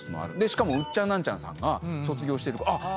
しかもウッチャンナンチャンさんが卒業してるからちょうどいい。